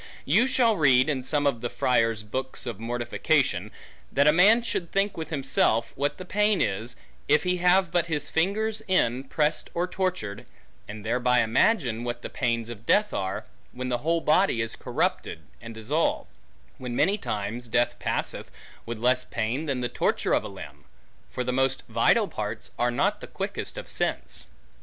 You shall read, in some of the friars' books of mortification, that a man should think with himself, what the pain is, if he have but his finger's end pressed, or tortured, and thereby imagine, what the pains of death are, when the whole body is corrupted, and dissolved; when many times death passeth, with less pain than the torture of a limb; for the most vital parts, are not the quickest of sense.